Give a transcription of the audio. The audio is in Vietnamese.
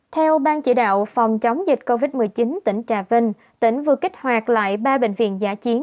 theo ban chỉ đạo phòng chống dịch covid một mươi chín tỉnh trà vinh tỉnh vừa kích hoạt lại ba bệnh viện giả chiến